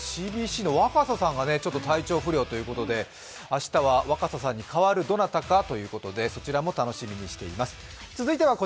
ＣＢＣの若狭さんが体調不良ということで、明日は若狭さんにかわるどなたかということでそちらも楽しみにしています。